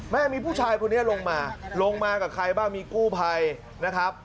แม่มีผู้ชายคนนี้ลงมาลงมากับใครบ้างมีกู้ภัยนะครับ